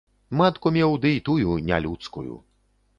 Матку меў ды і тую не людскую.